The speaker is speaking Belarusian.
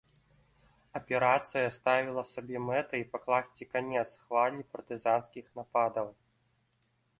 Аперацыя ставіла сабе мэтай пакласці канец хвалі партызанскіх нападаў.